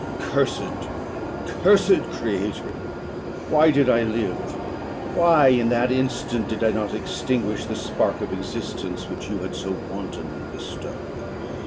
"Cursed, cursed creator! Why did I live? Why, in that instant, did I not extinguish the spark of existence which you had so wantonly bestowed?